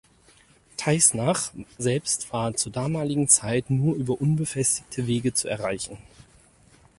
Teisnach selbst war zur damaligen Zeit nur über unbefestigte Wege zu erreichen.